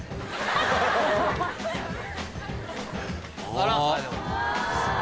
あら。